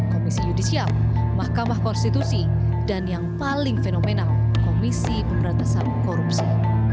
komisi yudisial mahkamah konstitusi dan yang paling fenomenal komisi pemberantasan korupsi